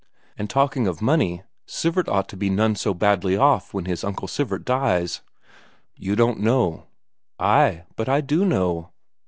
And talking of money, Sivert ought to be none so badly off when his Uncle Sivert dies." "You don't know." "Ay, but I do know."